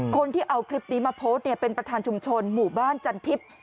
คนที่เอาคลิปนี้มาโพสต์เนี่ยเป็นประธานชุมชนหมู่บ้านจันทิพย์